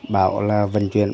bảo là vận chuyển